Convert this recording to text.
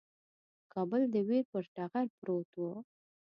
کابل د ویر پر ټغر پروت وو.